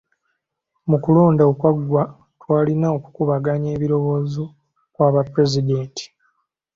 Mu kulonda okwaggwa twalina okukubaganya ebirowoozo kwa ba pulezidenti.